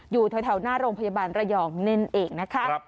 อยู่แถวหน้าโรงพยาบาลระยองนั่นเองนะคะ